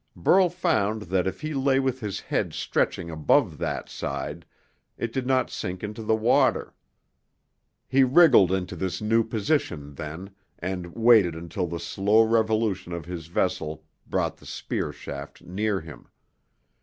Burl found that if he lay with his head stretching above that side, it did not sink into the water. He wriggled into this new position, then, and waited until the slow revolution of his vessel brought the spear shaft near him.